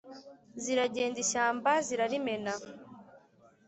ziragenda; ishyamba zirarimena